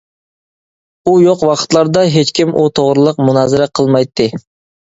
ئۇ يوق ۋاقىتلاردا ھېچكىم ئۇ توغرىلىق مۇنازىرە قىلمايتتى.